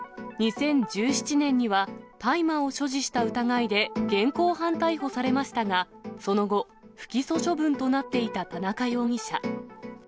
２０１７年には大麻を所持した疑いで現行犯逮捕されましたが、その後、不起訴処分となっていた田中容疑者。